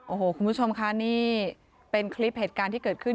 โอ้โหคุณผู้ชมค่ะนี่เป็นคลิปเหตุการณ์ที่เกิดขึ้น